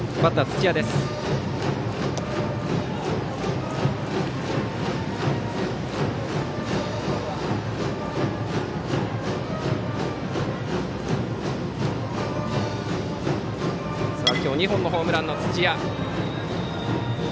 今日２本のホームランの土屋。